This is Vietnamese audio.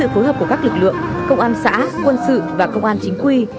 phối hợp của các lực lượng công an xã quân sự và công an chính quy